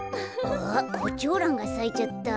あコチョウランがさいちゃった。